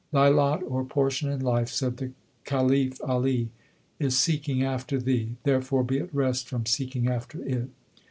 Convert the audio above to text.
"Thy lot or portion in life," said the Caliph Ali, "is seeking after thee; therefore be at rest from seeking after it."